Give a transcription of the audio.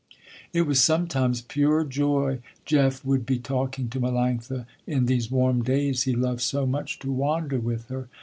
It was sometimes pure joy Jeff would be talking to Melanctha, in these warm days he loved so much to wander with her.